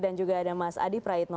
dan juga ada mas adi praitno